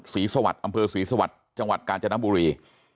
ศรีสวัสดิ์อำเภอศรีสวรรค์จังหวัดกาญจนบุรี